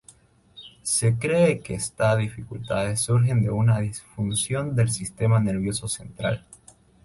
Se cree que estas dificultades surgen de una disfunción del sistema nervioso central.